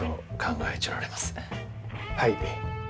はい。